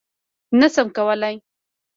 _نه شم کولای.